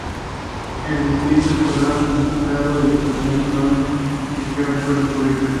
El Distrito Escolar Unificado de Cotati-Rohnert Park gestiona escuelas públicas.